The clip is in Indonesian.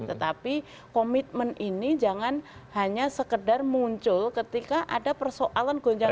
tetapi komitmen ini jangan hanya sekedar muncul ketika ada persoalan gonjangan